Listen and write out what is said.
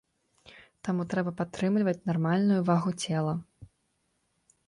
Таму трэба падтрымліваць нармальную вагу цела.